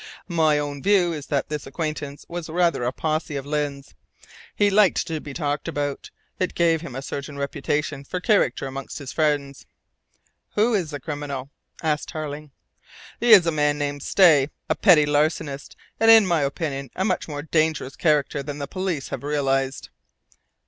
"My own view is that this acquaintance was rather a pose of Lyne's. He liked to be talked about. It gave him a certain reputation for character amongst his friends." "Who is the criminal?" asked Tarling. "He is a man named Stay, a petty larcenist, and in my opinion a much more dangerous character than the police have realised."